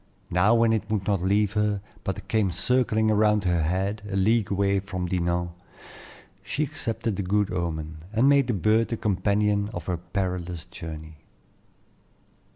Now, when it would not leave her, but came circling around her head a league away from Dinan, she accepted the good omen, and made the bird the companion of her perilous journey.